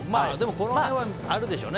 この辺はあるでしょうね。